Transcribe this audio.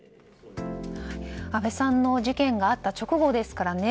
安倍さんの事件があった直後ですからね。